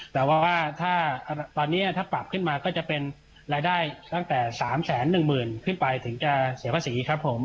แต่ว่าถ้าตอนนี้ถ้าปรับขึ้นมาก็จะเป็นรายได้ตั้งแต่๓๑๐๐๐ขึ้นไปถึงจะเสียภาษีครับผม